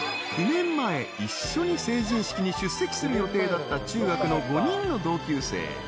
［９年前一緒に成人式に出席する予定だった中学の５人の同級生］